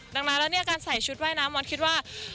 ดังนั้นแล้วเนี่ยการใส่ชุดว่ายน้ำมอนคิดว่า